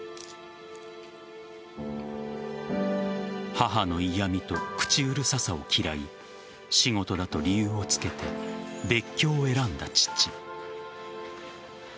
母の嫌みと口うるささを嫌い仕事だと理由をつけて別居を選んだ父。